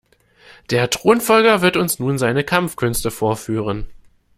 Der Thronfolger wird uns nun seine Kampfkünste vorführen.